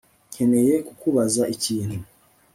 Nkeneye kukubaza ikintu